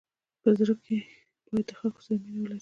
په زړه کي باید د خلکو سره مینه ولری.